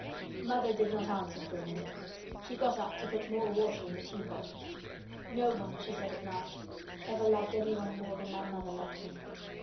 Mother did not answer for a minute. She got up to put more water in the teapot. "No one," she said at last, "ever loved anyone more than my mother loved me."